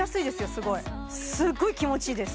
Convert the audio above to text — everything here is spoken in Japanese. すごいすっごい気持ちいいです